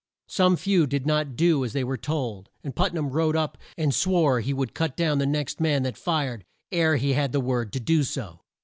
Some few did not do as they were told, and Put nam rode up and swore he would cut down the next man that fired ere he had the word to do so.